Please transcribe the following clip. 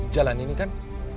jalan ini kan